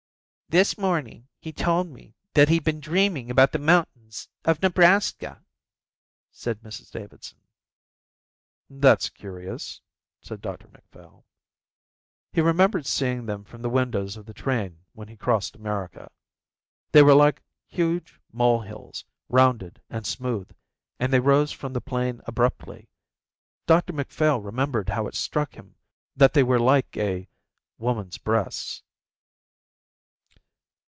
"This morning he told me that he'd been dreaming about the mountains of Nebraska," said Mrs Davidson. "That's curious," said Dr Macphail. He remembered seeing them from the windows of the train when he crossed America. They were like huge mole hills, rounded and smooth, and they rose from the plain abruptly. Dr Macphail remembered how it struck him that they were like a woman's breasts.